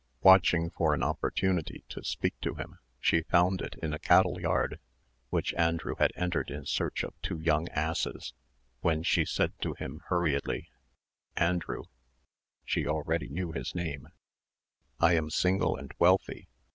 Watching for an opportunity to speak to him, she found it in a cattle yard, which Andrew had entered in search of two young asses, when she said to him, hurriedly, "Andrew" (she already knew his name), "I am single and wealthy.